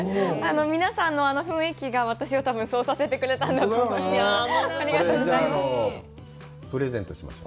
皆さんの雰囲気が私を多分そうさせてくれたんだと思います。